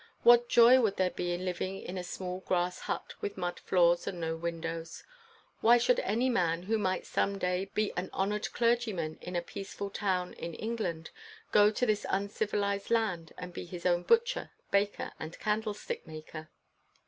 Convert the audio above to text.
What joy would there be in living in a small grass hut with mud floors and no windows'? Why should any man, who might some day be an honored clergyman in a peaceful town ir. England, go to this uncivilized land and be his own butcher, baker, and candlestick maker